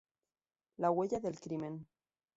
La huella del crimen.